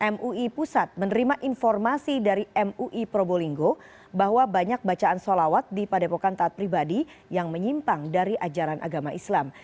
mui pusat menerima informasi dari mui probolinggo bahwa banyak bacaan solawat di padepokan taat pribadi yang menyimpang dari ajaran agama islam